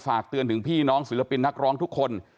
ฝากเตือนถึงพี่น้องศิลปินนักร้องทุกคน